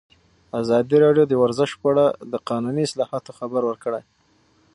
ازادي راډیو د ورزش په اړه د قانوني اصلاحاتو خبر ورکړی.